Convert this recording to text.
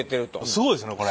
すごいですねこれ。